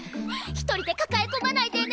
１人で抱え込まないでね。